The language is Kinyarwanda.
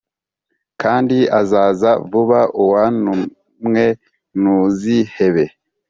kandi azaza vuba uwa tumwe ntuzihebe